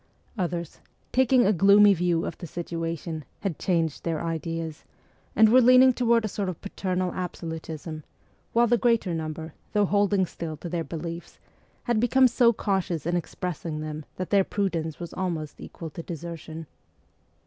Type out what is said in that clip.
Others, taking a gloomy view of the situa tion, had changed their ideas, and were leaning toward a sort of paternal absolutism ; while the greater number, though holding still to their beliefs, had become so cautious in expressing them that their prudence was almost equal to desertion.